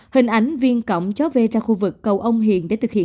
hình ảnh viên cọng cháu v ra khu vực cầu ông hiền để thực hiện